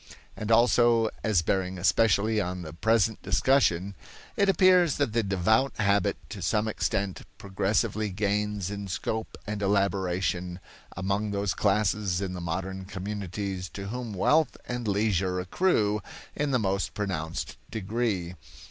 And also as bearing especially on the present discussion it appears that the devout habit to some extent progressively gains in scope and elaboration among those classes in the modern communities to whom wealth and leisure accrue in the most pronounced degree.